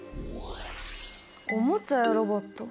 おもちゃやロボット。